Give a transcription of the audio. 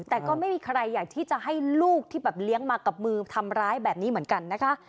แต่ก็ไม่มีใครอยากที่จะให้ลูกที่แบบเลี้ยงมากับมือทำร้ายแบบนี้เหมือนกันนะคะ